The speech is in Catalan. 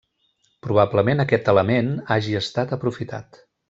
Probablement aquest element hagi estat aprofitat.